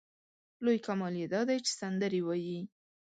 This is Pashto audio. لوی کمال یې دا دی چې سندرې وايي.